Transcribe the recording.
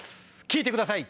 聴いてください